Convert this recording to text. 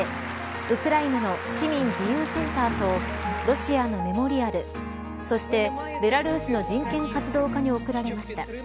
ウクライナの市民自由センターとロシアのメモリアルそして、ベラルーシの人権活動家に贈られました。